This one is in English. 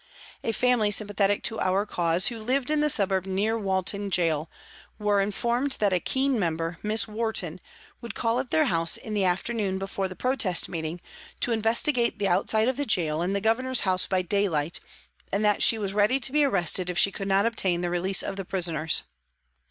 A family sympathetic to our cause, who lived in the suburb near Walton Gaol, were informed that a keen member, Miss Warton, would call at their house in the afternoon before the protest meeting, to investigate the outside of the gaol and the Governor's house by daylight, and that she was ready to be arrested if she could not obtain the release of the prisoners.